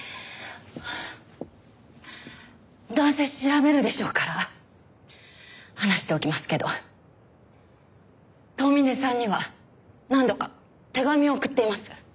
どうせ調べるでしょうから話しておきますけど遠峰さんには何度か手紙を送っています。